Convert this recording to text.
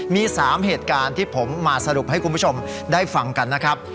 มี๓เหตุการณ์ที่ผมมาสรุปให้คุณผู้ชมได้ฟังกันนะครับ